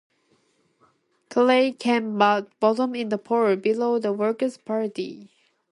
Carey came bottom in the poll, below the Workers' Party.